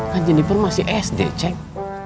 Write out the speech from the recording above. kan jenibor masih sd ceng